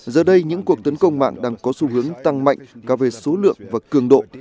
giờ đây những cuộc tấn công mạng đang có xu hướng tăng mạnh cả về số lượng và cường độ